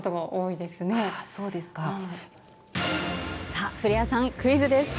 さあ古谷さん、クイズです。